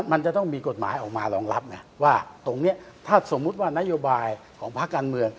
มันจะต้องมีกฎหมายออกมารองรับไงว่าตรงนี้ถ้าสมมุติว่านโยบายของภาคการเมือง